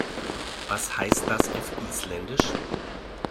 Was heißt das auf Isländisch?